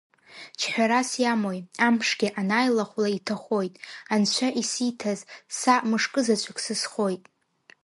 Ҽҳәарас иамои, амшгьы анааилахәла иҭахоит, анцәа исиҭаз, са мышкызаҵәык сызхоит…